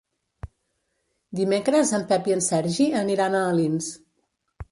Dimecres en Pep i en Sergi aniran a Alins.